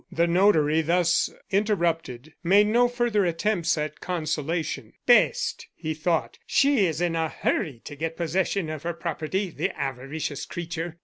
The notary, thus interrupted, made no further attempts at consolation. "Pestet!" he thought, "she is in a hurry to get possession of her property the avaricious creature!"